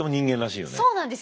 そうなんですよ。